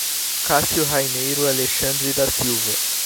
Cacio Rainerio Alexandre da Silva